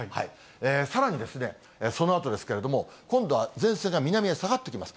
さらに、そのあとですけれども、今度は前線が南へ下がってきます。